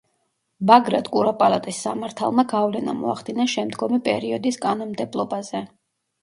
ბაგრატ კურაპალატის სამართალმა გავლენა მოახდინა შემდგომი პერიოდის კანონმდებლობაზე.